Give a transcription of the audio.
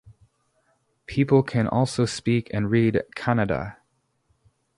People can also speak and read Kannada.